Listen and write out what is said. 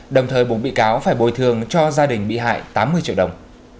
đồng thời buộc bị cáo phải bồi thường cho gia đình bị hại tám mươi triệu đồng